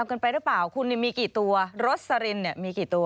เกินไปหรือเปล่าคุณมีกี่ตัวรสลินเนี่ยมีกี่ตัว